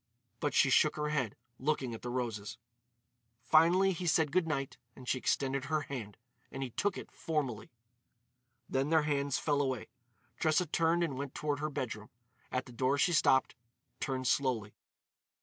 But she shook her head, looking at the roses. Finally he said good night and she extended her hand, and he took it formally. Then their hands fell away. Tressa turned and went toward her bedroom. At the door she stopped, turned slowly.